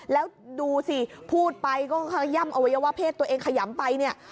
แล้วดูสิพูดไปก็ขย่ำอวัยวะเพศตัวเองขยำไปเนี่ย